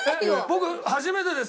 僕初めてですね